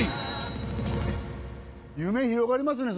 夢広がりますね